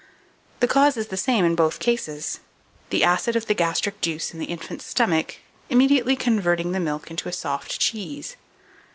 The cause is the same in both cases, the acid of the gastric juice in the infant's stomach immediately converting the milk into a soft cheese.